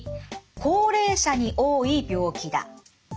高齢者に多い病気だ。